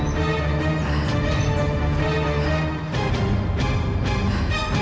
sampai besok ya